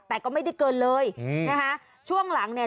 แต่ก็ไม่ได้เกินเลยอืมนะคะช่วงหลังเนี่ย